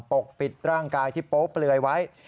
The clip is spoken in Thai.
ปกปิดร่างกายที่โป๊เปลือยไว้